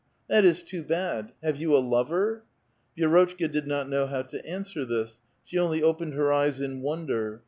'* That is too bad. Have vou a lover?" Vi^J'rotchka did not know how to answer this ; she only opened her eyes in wonder.